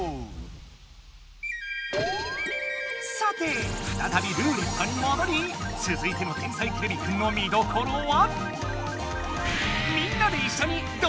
さてふたたびルーレットにもどりつづいての「天才てれびくん」の見どころは。